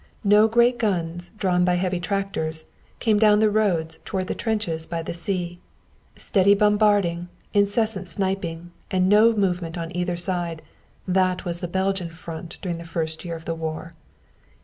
No great guns, drawn by heavy tractors, came down the roads toward the trenches by the sea. Steady bombarding, incessant sniping and no movement on either side that was the Belgian Front during the first year of the war.